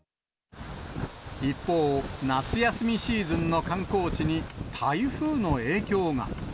一方、夏休みシーズンの観光地に台風の影響が。